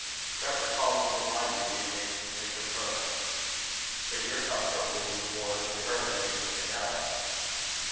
"That recalls me to my duty, and makes me think of her." "But your comfort will be more to her than anything else."